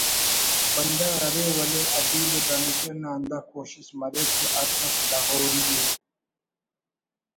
بندغ ارے ولے ادیب و دانشور نا ہندا کوشست مریک کہ ہر کس لغوری ءِ